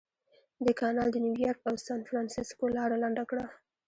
دې کانال د نیویارک او سانفرانسیسکو لاره لنډه کړه.